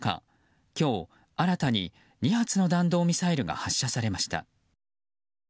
今日、新たに２発の弾道ミサイルが発射されました。